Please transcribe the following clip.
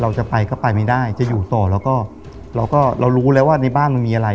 เราจะไปก็ไปไม่ได้จะอยู่ต่อแล้วก็เราก็เรารู้แล้วว่าในบ้านมันมีอะไร